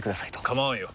構わんよ。